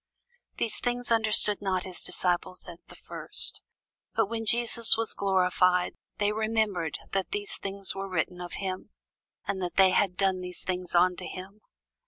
These things understood not his disciples at the first: but when Jesus was glorified, then remembered they that these things were written of him, and that they had done these things unto him.